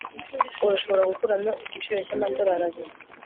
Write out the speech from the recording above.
urashobora gukuramo igiciro cyamadorari abiri